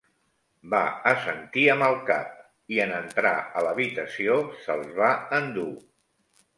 Va assentir amb el cap, i en entrar a l'habitació se'ls va endur.